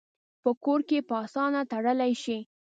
په کور کې یې په آسانه تړلی شي.